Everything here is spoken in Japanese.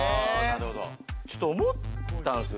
ちょっと思ったんすよ。